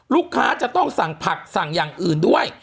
ลูกค้าจะต้องสั่งผักสั่งอย่างอื่นด้วย